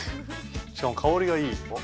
しかも香りがいい。